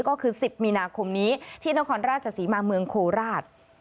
ก็คือ๑๐มีนาคมนี้ที่นครราชศรีมาเมืองโคราช